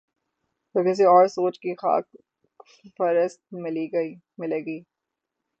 تو کسی اور سوچ کی خاک فرصت ملے گی۔